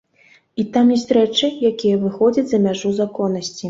І там ёсць рэчы, якія выходзяць за мяжу законнасці.